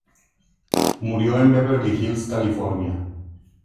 Murió en Beverly Hills, California.